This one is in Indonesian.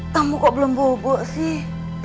tamu kok belum bubuk sih